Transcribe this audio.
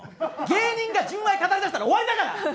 芸人が純愛語りだしたら終わりだから！